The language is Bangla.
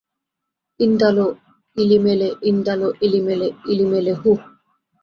ইন্দালো ইলিমেলে ইন্দালো ইলিমেলে ইলিমেলে হুহ!